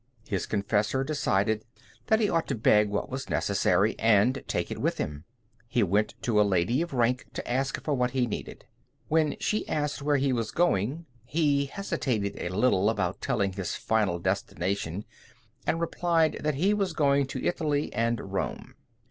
His confessor decided that he ought to beg what was necessary and take it with him. He went to a lady of rank to ask for what he needed. When she asked where he was going, he hesitated a little about telling his final destination, and replied that he was going to Italy and Rome.